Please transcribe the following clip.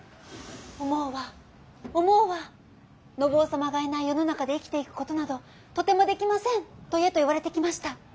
お毛はお毛は「信夫様がいない世の中で生きていく事などとてもできません！」と言えと言われてきました。